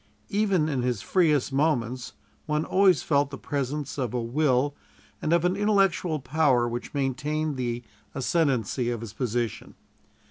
Even in his freest moments one always felt the presence of a will and of an intellectual power which maintained the ascendancy of his position.